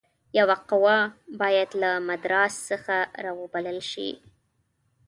یوه قوه باید له مدراس څخه را وبلل شي.